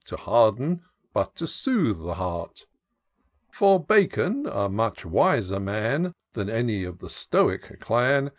To harden, but to soothe the heart ! For Bacon, a much wiser man Than any of the Stoic clan.